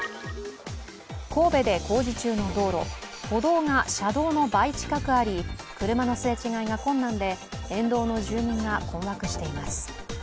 神戸で工事中の道路、歩道が車道の倍近くあり車のすれ違いが困難で沿道の住民が困惑しています。